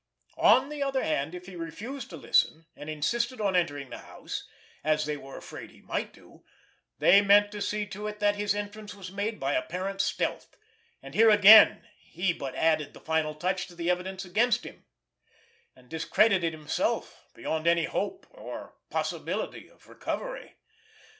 On the other hand, if he refused to listen and insisted on entering the house, as they were afraid he might do, they meant to see to it that his entrance was made by apparent stealth, and here again he but added the final touch to the evidence against him, and discredited himself beyond any hope or possibility of recovery.